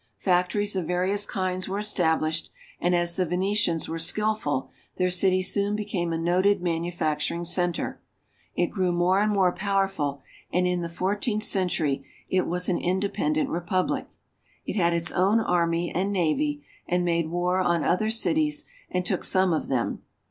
Factories of various kinds were established, and as the Venetians were skillful, their city soon became a noted manufacturing center. It grew more and more powerful, and in the fourteenth century it was an independent republic. It had its own army and navy, and made war on other cities and took some of them.